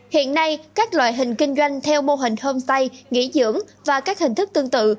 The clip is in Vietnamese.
hiện nay các loại hình kinh doanh theo mô hình homestay nghỉ dưỡng và các hình thức tương tự